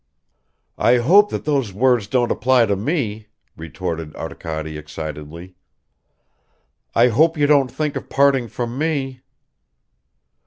"I hope that those words don't apply to me," retorted Arkady excitedly. "I hope you don't think of parting from me."